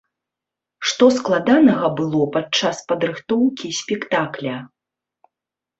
Што складанага было падчас падрыхтоўкі спектакля?